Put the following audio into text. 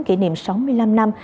kỷ niệm sáu mươi năm năm